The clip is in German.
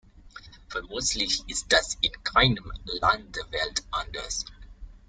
Vermutlich ist das in keinem Land der Welt anders.